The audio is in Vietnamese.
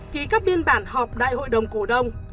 ký các biên bản họp đại hội đồng cổ đông